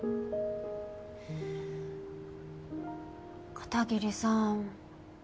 片桐さん。